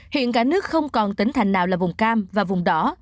hiện cả nước không còn tỉnh thành nào là vùng cam và vùng đỏ